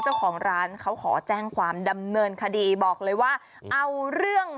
เจ้าของร้านเขาขอแจ้งความดำเนินคดีบอกเลยว่าเอาเรื่อง